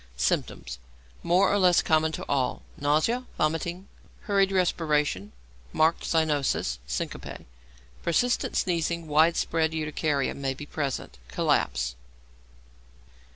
Symptoms (more or less common to all). Nausea, vomiting, hurried respiration, marked cyanosis, syncope. Persistent sneezing and widespread urticaria may be present; collapse.